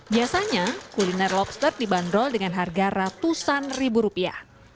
biasanya kuliner lobster dibanderol dengan harga ratusan ribu rupiah